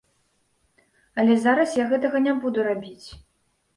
Але зараз я гэтага не буду рабіць.